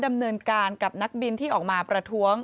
ดำเนินการกับนักบินที่ออกมาประท้วง